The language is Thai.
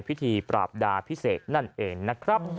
พิธีปราบดาพิเศษนั่นเองนะครับ